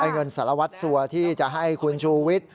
เงินสารวัตรสัวที่จะให้คุณชูวิทย์